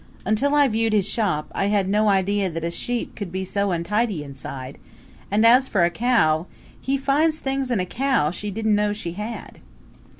Until I viewed his shop I had no idea that a sheep could be so untidy inside; and as for a cow he finds things in a cow she didn't know she had.